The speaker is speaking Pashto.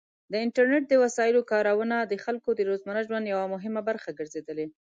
د انټرنیټ د وسایلو کارونه د خلکو د روزمره ژوند یو مهم برخه ګرځېدلې.